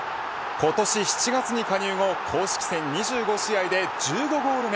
今年７月に加入後公式戦２５試合で１５ゴール目。